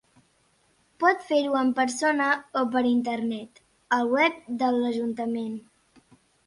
Pot fer-ho en persona o per internet, al web de l'ajuntament.